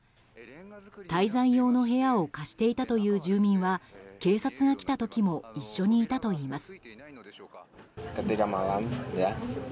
滞在用の部屋を貸していたという住民は警察が来た時も一緒にいたといいます。